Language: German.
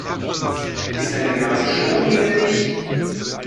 Ist deine Nase schon wieder dicht?